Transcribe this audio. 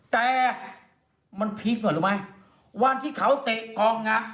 แต่มันพีคก่อนรู้ไหมวันที่เขาเตะกองอ่ะ